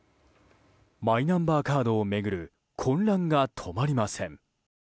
マイナンバーカードを巡る混乱が止まりません。